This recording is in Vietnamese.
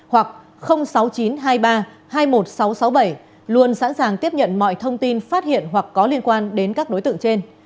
sáu triệu chín trăm hai mươi ba nghìn bốn trăm bảy mươi một hoặc sáu chín hai ba hai một sáu sáu bảy luôn sẵn sàng tiếp nhận mọi thông tin phát hiện hoặc có liên quan đến các đối tượng trên